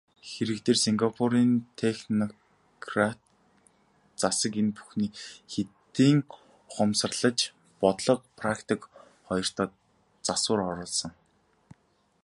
Хэрэг дээрээ Сингапурын технократ засаг энэ бүхнийг хэдийн ухамсарлаж бодлого, практик хоёртоо засвар оруулсан.